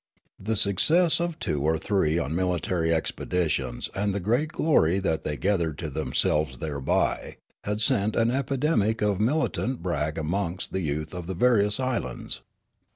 The suc cess of two or three on military expeditions and the great glory that they gathered to themselves thereby had sent an epidemic of militant brag amongst the youth of the various islands.